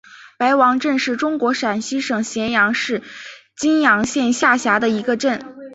白王镇是中国陕西省咸阳市泾阳县下辖的一个镇。